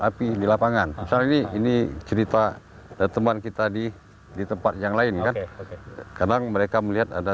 api di lapangan misalnya ini ini cerita teman kita di tempat yang lain kan kadang mereka melihat ada